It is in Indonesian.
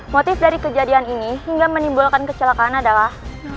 motif dari kejadian ini hingga menimbulkan kecelakaan adalah